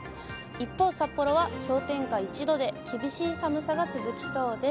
一方、札幌は氷点下１度で、厳しい寒さが続きそうです。